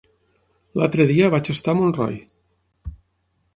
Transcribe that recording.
L'altre dia vaig estar a Montroi.